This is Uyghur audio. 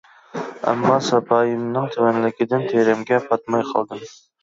ئەمما ساپايىمنىڭ تۆۋەنلىكىدىن تېرەمگە پاتماي قالدىم.